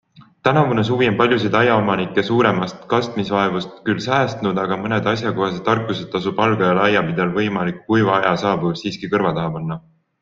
Tänavune suvi on paljusid aiaomanikke suuremast kastmisvaevast küll säästnud, aga mõned asjakohased tarkused tasub algajail aiapidajail võimaliku kuiva aja saabumiseks siiski kõrva taha panna.